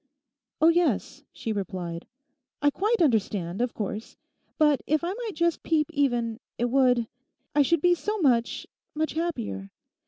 'Oh yes,' she replied, 'I quite understand, of course; but if I might just peep even, it would—I should be so much, much happier.